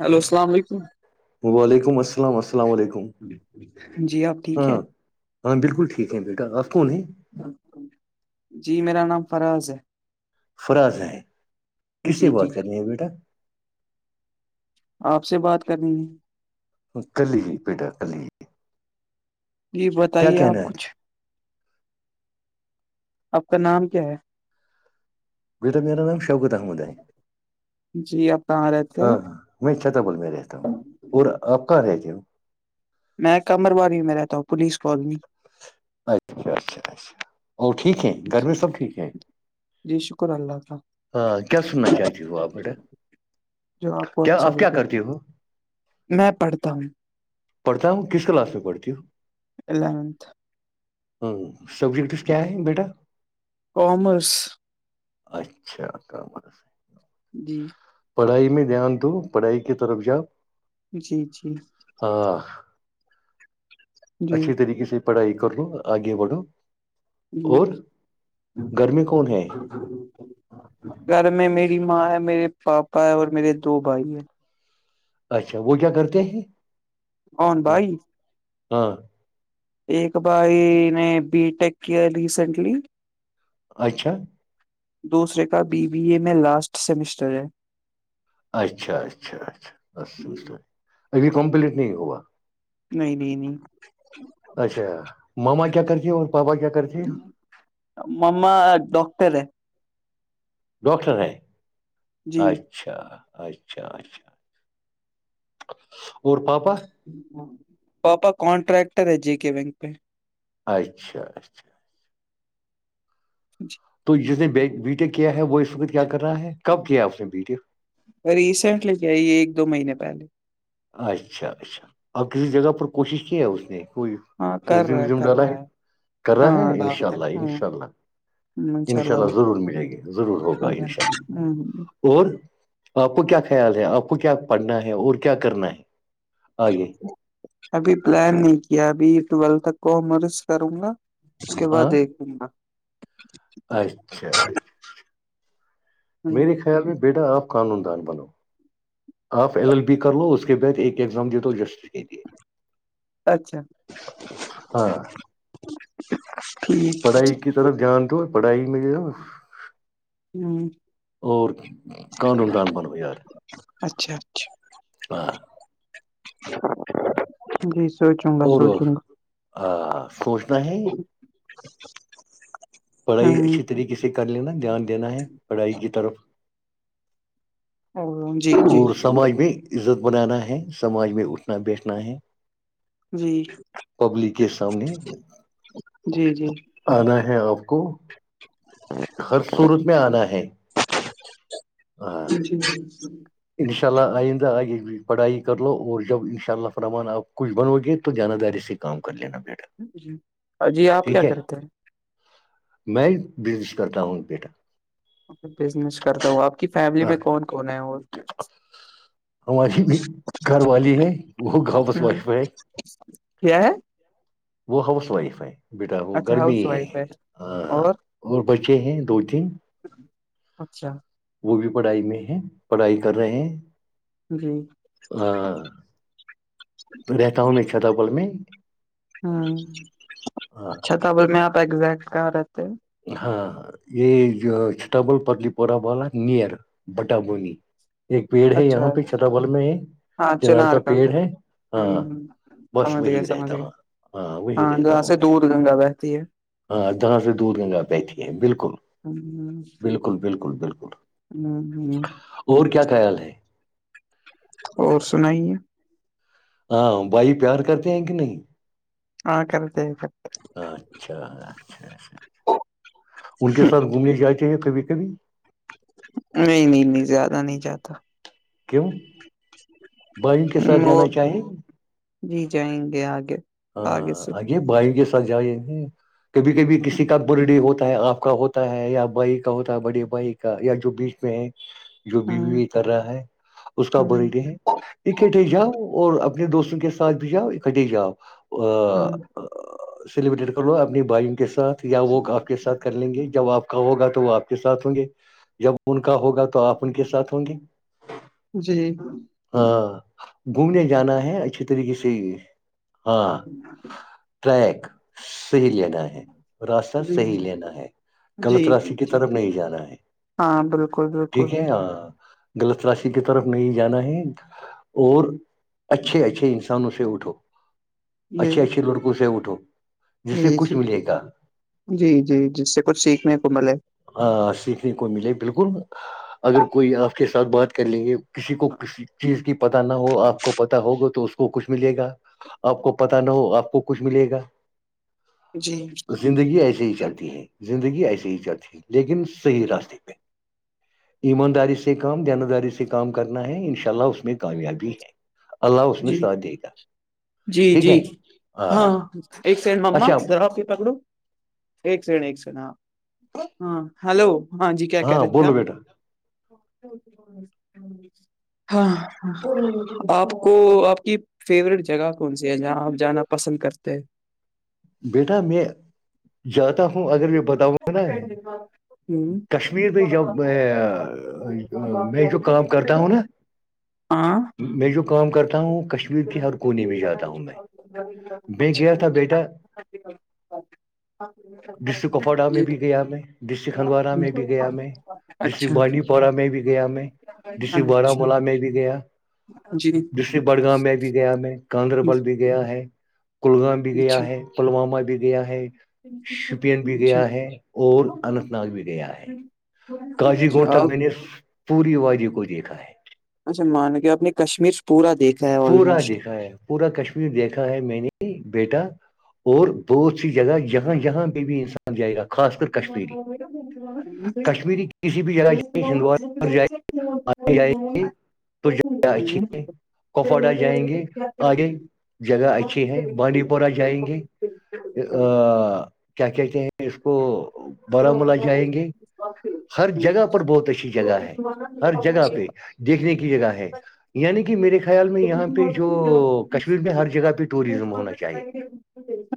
Hello السلام علیکم وعلیکم السلام السلام علیکم جی آپ ٹھیک ہاں ہے ہاں بالکل ٹھیک ہیں بیٹا آپ کون ہیں جی میرا نام فراز ہے فراز ہیں کس جی سے جی بات کرنی ہے بیٹا آپ سے بات کرنی ہے کلی ہی پیٹا کلی ہی جی بتائیے آپ کہنا ہے کچھ آپ کا نام کیا ہے بیٹا میرا نام شگتا مودے ہے جی آپ کہاں رہتے ہیں ہاں ہاں میں چھت بل میں رہتا ہوں اور آپ کہاں رہ ج ہو میں کمر والی میں رہتا ہوں پولیس کالونی اچھا اچھا اچھا اور ٹھیک ہے گھر جی میں سب ٹھیک ہے جی شکر اللہ کا ہاں کیا سننا چاہتی ہو آپ بیٹے جو کو کیا اچھا اپ کیا لگے کرتی ہو میں پڑھتا ہوں پڑھتا ہوں کس کلاس میں پڑھتی ہوں علےونتح ہوں سبجیکٹس کیا ہے بیٹا کامرس اچھا جی پڑھائی میں دھیان دو پڑھائی کی طرف جاپ جی جی ہاں جی اچھی طریقے سے پڑھائی کر لو آگے بڑھو جی اور گھر میں کون ہے گھر میں میری ماں ہے میرے پاپا ہے اور میرے دو بھائی ہیں اچھا وہ کیا کرتے ہیں کون بھائی ہاں ایک بھائی نے بی ٹیک کیا ریسینٹلی اچھا دوسرے کا بی بی اے میں لاسٹ سیمسٹر ہے اچھا اچھا جی۔ اچھا ابھی کمپلیٹ نہیں ہوا نہیں نہیں نہیں [inaudible] اچھا ماما کیا کرتی اور پاپا کیا کرتی مما ڈاکٹر ہے ڈاکٹر ہیں جی اچ اچھا اچھا اچھا اور پاپا پاپا کنٹریکٹر ہے جے کے بینک پہ اچھا اچھا [inaudible] تو جس نے بیٹے کیا ہے وہ اس وقت کیا کرنا ہے کب کیا اس نے بیٹے ریسینٹلی کیائی ایک دو مہینے پہلے اچھا اچھا اب کسی جگہ پر کوشش کی ہے اس نے کوئی ہاں کر رہا و کر ڈالا رہا ہے کر رہا ہاں ہے انشاء دعوت اللہ ہوں انشاء اللہ [unintelligible] انشاء اللہ ضرور ملے گی ضرور ہوگا ان شاء ہوں، اللہ اور آپ کو کیا خیال ہے آپ کو کیا پڑھنا ہے اور کیا کرنا ہے آگے ابھی پلان نہیں کیا ابھی ٹویلتھ تک کومرس کروں گا اس کے بعد ہاں دیکھوں گا اچھا میرے ہوں، خیال میں بیٹا آپ قانون دان بنو آپ ایل ایل بی کر لو اس کے بعد ایک ایگزام دے دو جسٹس کے لیے اچھا ہاں ٹھیک پڑھائی کی طرف دھیان دو پڑھائی میں جو ہ اور قانون دان بنو یار اچھا اچھا ہاں [inaudible] جی سوچوں گا اور سوچوں گا [inaudible] اور سوچنا ہے پڑھائی ہوں اچھی طریقے سے کر لینا دھیان دینا ہے پڑھائی کی طرف [inaudible] اور سماج میں عزت بنانا ہے سماج میں اٹھنا بیٹھنا ہے جی پبلک سام نے جی جی آنا ہے آپ کو ہر صورت میں آنا ہے [inaudible] جچ [inaudible] انشاء اللہ آئندہ آگے پڑھائی کر لو اور جب انشاء اللہ فرحمان آپ کچھ بنو گے تو جانہ داری سے کام کر لینا بیٹا جی جی آپ کیا ٹھیک ہے کرتے ہیں میں بزنس کرتا ہوں بیٹا بزنس کرتا ہوں آپ کی فیملی ہاں میں کون کون ہے اور ہماری گھر والی ہے وہ ہاؤس وائف ہے [inaudible] کیا ہے وہ ہاؤس وائف ہے بیٹا وہ اچھا گرمی ہاؤس ہے وائف اور بچے ہیں دو تین اچھا وہ بھی پڑھائی میں ہے پڑھائی کر رہے ہیں جی تو رہتا ہوں میں چھتا پل میں ہوں ہاں اچھا چھتاول میں آپ ایزیکٹ کہاں رہتے ہیں ہاں یہ جو چت بل پلی پورہ والا نئر بٹ بونی ایک پیڑ ہے اچھا یہاں پہ اچھا چھتا بل میں چنار کا پیڑ ہے ہ ہاں بس سمجھ وہی گئے سمجھ رہتا گئے ہوں ہاں وہی رہتا جہاں ہوں سے میں دور گنگا بہتی ہے ہاں جاں سے دور گنگا بیٹھی ہے بالکل ہ بالکل بالکل بالکل ہوں ہوں [unintelligible] اور کیا خیال ہے اور سنائیے ہاں بھائی پیار کرتے ہیں کہ نہیں ہاں کریکٹ اچھا اچھا اچھا اچھا ان کے ساتھ گھومنے جائ چاہیے کبھی کبھی نہیں نہیں نہیں زیادہ نہیں جاتا کیوں بھائیوں کے ہ ساتھ وہ جانا چاہیے جی جائیں گے آگے آگے ہاں سے بھائی کے سجائے ہیں کبھی کبھی کسی ہوں کا بول ہوتا ہے آپ کا ہوتا ہے یا بھائی کا ہوتا ہے بڑے بھائی کا یا جو بیچ میں ہے جو بی و ہوں و کر رہا ہے اس کا ہوں برتھ ڈے ہے اکٹھے جاؤ اور اپنے دوستوں کے ساتھ بھی جاؤ اکٹھے جاؤ ہوں ا سیلیبریٹ کرلو اپنی بھائین کے ساتھ یا وہ آپ کے ساتھ کر لیں گے جب آپ کا ہوگا تو وہ آپ کے ساتھ ہوں گے جب ان کا ہوگا تو آپ ان کے ساتھ ہوں گے جی ہاں گھومنے جانا ہے اچھی طریقے سے ہاں اچ [unintelligible] ٹریک صحیح لینا ہے راستہ جی صحیح لینا ہے غلط جی جی راش کی جی طرف نہیں جانا ہے ہاں بالکل بالکل ٹھیک ہے ہاں غلط راشی کی طرف نہیں جانا ہے اور اچھے اچھے انسانوں سے اٹھو جی اچھے اچھے لڑکوں سے اٹھو جس سے جی کچھ جی ملے گا جی جی جس سے کچھ سیکھنے کو ملے ہاں سیکھنے کو ملے بالکل اگر کوئی آپ کے ساتھ بات کر لیں گے کسی کو کسی چیز کی پت نہ ہو آپ کو پتا ہوگا تو اس کو کچھ ملے گا آپ کو پت نہ ہو آپ کو کچھ ملے گا جی زندگی ایسے ہی چلتی ہے زندگی ایسے ہی چلتی ہے لیکن صحیح راستے پہ ایمانداری سے کام دان داری سے کام کرنا ہے انشاء اللہ اس میں کامیابی ہے اللہ اس نے جی ساتھ دے گا جی ٹھیک جی ہے ہاں ایک سیکنڈ ما اچھا ذرا آ کی پکڑو ایک س ایک س ہاں ہلو ہاں جی کیا کہہ ہاں رہے تھے بولو آپ بیٹا ہاں آپ آ کو آپ کی فیورٹ جگہ کون سی ہے جہاں آپ جانا پسند کرتے ہیں بیٹا میں جاتا ہوں اگر میں بتاؤںا ہے ہوں کشمیر میں جب میں میں جو کام کرتا ہوں نا میں جو کام کرتا ہوں کشمیر کے ہر [inaudible] کونے میں جاتا ہوں میں میں گیا تھا [inaudible] بیٹا [inaudible] ڈسٹرک کپواڑہ میں بھی گیا میں ڈسٹرک ہندوارہ میں بھی گیا میں ڈسٹرک اچھا بانڈی پورہ میں بھی گیا میں ڈسٹرک اچھا بارامولہ میں بھی گیا جی ڈسٹرک بڑگام میں بھی گیا میں گاندربل بھی گیا گیا ہے کلگام بھی گیا اچھا ہے پلوامہ بھی گیا ہے شپین بھی اچھا گیا ہے اور اننت ناگ بھی گیا ہے کاضی کوڑ اچھا تک آپ میں نے اس پوری واازی کو دیکھا ہے اچھا مان کے آ اپ نے کشمیر پورا دیکھ پورا دیکھا ہے پورا کشمیر دیکھا ہے میں نے بیٹا اور بہت سی جگہ جہاں جاں پہ بھی انسان جائے گا خاص کر کشمیری کشمیری [unintelligible] کسی بھی جگہ جائیں ہندوار پر جائے آگے جائیں [unintelligible] [unintelligible] [inaudible] کپواڑہ جائیں گے آگے جگہ اچھی ہے بانڈی پورہ جائیں گے ا کیا کہتے ہیں اس کو بارامولہ جائیں گے ہر جگہ پر بہت اچھی جگہ ہے ہر جگہ پہ دیکھنے کی جگہ ہے یعنی کہ میرے خیال میں یہاں پہ جو کشمیر میں ہر جگہ پہ ٹوریزم ہونا چاہیے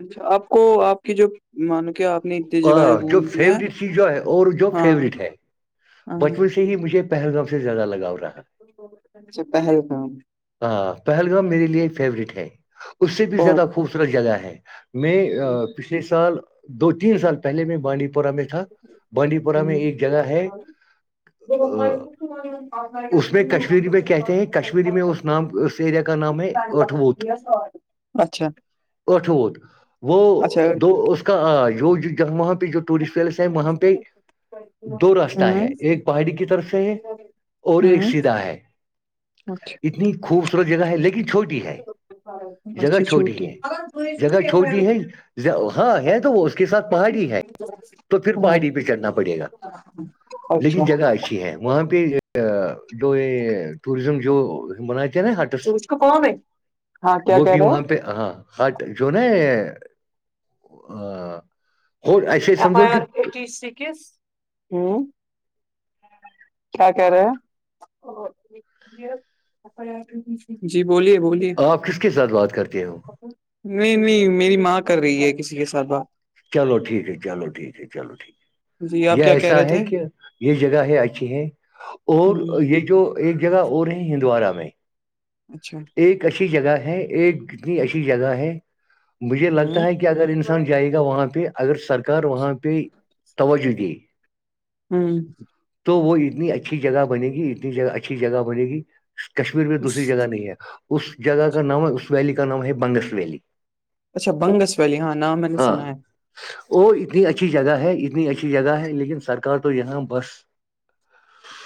اچا آپ کو آپ کی جو مانو کیا آپ نے اتنی جگہ آ، جو فیوریٹ چی جو ہے اور جو فیوریٹ ہے ہاں بچپن سے ہی مجھے پہلگام سے زیادہ لگاؤ رہا ہے اچھا پہلگام ہاں پہلگام میرے لیے فیوریٹ ہے اس سے بھی بہت زیادہ خوبصورت جگہ ہے میں پچھلے سال دو تین سال پہلے میں بانڈی پ پورا میں تھا بانڈی پورہ میں ہوں ایک جگہ ہے اس میں کشمیری میں کہتے ہیں کشمیری میں اس نام یریا کا نام ہے اٹھ بوت اچھا اٹھت وہ اچھا دو ہوں اس آ یہ جو ج وہاں پ جو ٹورسٹ ویلس ہے وہاں پ دو رست ہے ایک پہاڑی کی طرف سے ہے اور ایک ہوں سیدھا ہے اچھا اتنی خوبصورت جگہ ہے لیکن چھوٹی ہے جگہ اچھا چھوٹی ہے جگہ چھوٹی ہے ہاں ہے تو وہ اس کے ساتھ پہاڑی ہے تو پھر ہاں پہاڑی پہ چڑھنا پڑے گا اچھا لیکن جگہ اچھی ہے وہاں پہ جو یہ ٹوریزم جو ہم نا ہاٹس ہاں کیا وہ کہہ بھی رہے وہاں پہ پہ ہاں ہٹ جو نا ہو ایسا F I R eighty six ہوں کیا کہہ رہے ہیں جی بولیے بلی آپ کس کے ساتھ بات کرتے ہو نہیں نہیں میری ماں کر رہی ہے کسی کے ساتھ بات چلو ٹھیک ہے چلو ٹھیک ہے چلو ٹھیک ہے جی آپ یہ کیا کہہ ایسا رہے ہے تھے کہ یہ جگہیں اچھی ہیں اور ہوں یہ جو ایک جگہ اور ہے ہندوارہ میں اچھا ایک اچھی جگہ ہے ایک کتنی اچھی جگہ ہے مجھے لگتا ہوں ہے کہ اگر انسان جائے گا وہاں پہ اگر سرکار وہاں پہ توجہ دے ہاں تو وہ اتنی اچھی جگہ بنے گی اتنی اچھی جگہ بنے گی کشمیر میں دوسری جگہ نہیں ہے اس جگہ کا نام ہے اس ویلی کا نام ہے بنگس ویلی اچھا بنگس ویلی ہاں نام میں نے سنا ہے ا اتنی اچھی جگہ ہے اتنی اچھی جگہ ہے لیکن سرکار تو یہاں بس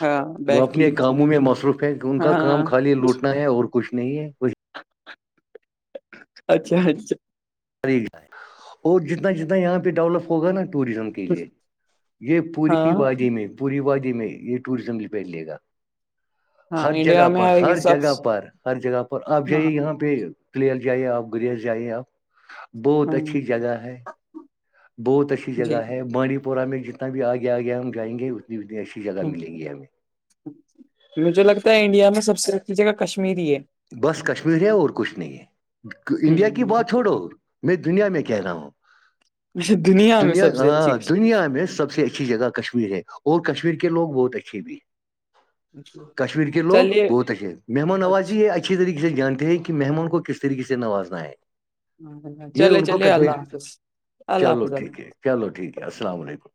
ہاں وہ بیٹھی اپنے ہے کاموں میں مصروف ہے کہ ان کا کام ہاں خالی لوٹنا ہے اور کچھ نہیں ہے ب اچھا اچھا [inaudible] طریق ہے اور جتنا جتنا یہاں پہ ڈیولپ ہوگا نا ٹوریزم کے لیے یہ پوری ہاں وادی میں پوری وادی میں یہ ٹوریزم پہ لے گا ہاں ہر انڈیا جگہ میں پر ہے یہ ہر سب جگہ پر ہر جگہ پر آپ ہاں جائیے یہاں پہ [inaudible] پہ پلیئر جائی آپ گریز جائیے آپ بہت ہاں اچھی جگہ ہے بہت اچھی جی جگہ ہے بانڈی پورہ میں جتنا بھی آگے آگے ہم جائیں گے اتنی اتنی اچھی جگہ ہ ملیں گی ہمیں مجھے لگتا ہے انڈیا میں سب سے اچھی جگہ کشمیری ہے بس کشمیر ہے اور کچھ نہیں ہے انڈیا کی ہ وہ بات تو چھوڑو میں دنیا میں کہہ رہا ہوں اچھا میں دنیا سب سے ہاں اچھی دنیا میں سب سے اچھی جگہ کشمیر ہے اور کشمیر کےوگ بہت اچھے بھی [unintelligible] کشمیر کے لوگ چلیے بہت اھے مہمان آواز اچھی طریے سے جانتے ہیں کہ مہمان کو کس طریقے سے نوازنا ہے اچھا یہ چلے ان کو چلیے اللہ کشمیر حافظ اللہ چلو حافظ اللہ ٹھیک ہے چلو ٹھیک ہے السلام علیکم